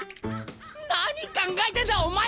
何考えてんだお前！